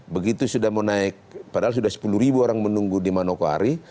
begitu sudah mau naik padahal sudah sepuluh ribu orang menunggu di manokwari